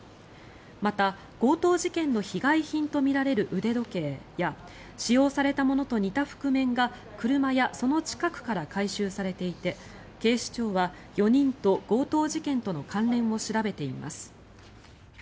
また、強盗事件の被害品とみられる腕時計や使用されたものと似た覆面や車がその近くから回収されていて警視庁は４人と強盗事件との関連を調べています。